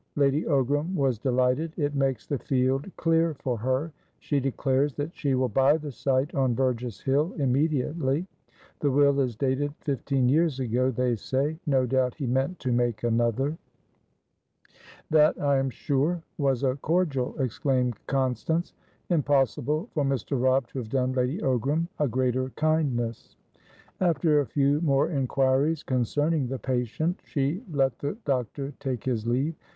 Lady Ogram was delighted. It makes the field clear for her. She declares that she will buy the site on Burgess Hill immediately. The will is dated fifteen years ago, they say; no doubt he meant to make another." "That, I am sure, was a cordial," exclaimed Constance. "Impossible for Mr. Robb to have done Lady Ogram a greater kindness." After a few more inquiries concerning the patient, she let the doctor take his leave.